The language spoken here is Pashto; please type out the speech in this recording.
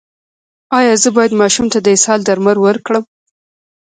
ایا زه باید ماشوم ته د اسهال درمل ورکړم؟